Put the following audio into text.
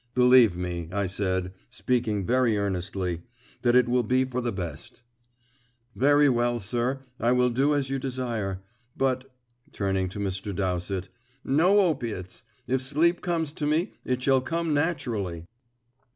"Believe me," I said, speaking very earnestly, "that it will be for the best." "Very well, sir. I will do as you desire. But" turning to Mr. Dowsett "no opiates. If sleep comes to me, it shall come naturally."